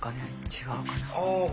違うかな。